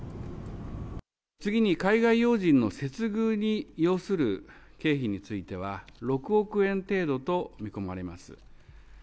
次に海外要人の接遇に要する経費については、６億円程度と見込まれます。